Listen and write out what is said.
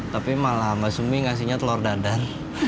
tapi malah mbak sumi ngasihnya telur dadar